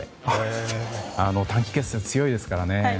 短期決戦、強いですからね。